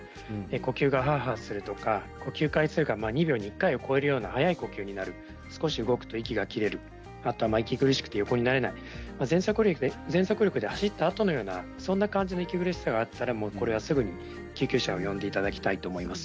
呼吸がハアハアするとか呼吸回数が２秒に１回を超えるような早い呼吸になる少し動くと息が切れる息苦しくて横になれない全速力で走ったあとのようなそんな感じの息苦しさだったらこれはすぐに救急車を呼んでいただきたいと思います。